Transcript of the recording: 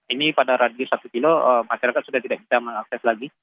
ini pada radius satu kilo masyarakat sudah tidak bisa mengakses lagi